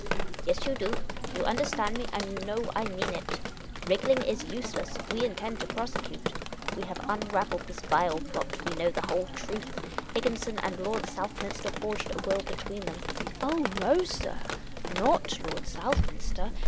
" Yes you do. You understand me, and you know I mean it. Wriggling is useless ; we intend to prosecute. We have unravelled this vile plot. We know the whole truth. Higgin son and Lord Southminster forged a will between them "" Oh, sir, not Lord Southminster